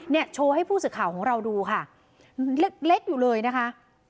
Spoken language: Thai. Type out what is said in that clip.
โชว์ให้ผู้สื่อข่าวของเราดูค่ะเล็กเล็กอยู่เลยนะคะ